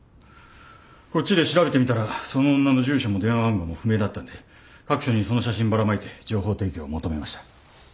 こっちで調べてみたらその女の住所も電話番号も不明だったんで各所にその写真ばらまいて情報提供を求めました。